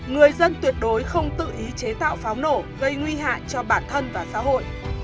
người dân tuyệt đối không tự ý chế tạo pháo nổ gây nguy hại cho bản thân và xã hội